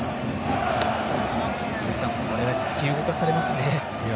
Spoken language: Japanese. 井口さんこれは突き動かされますね。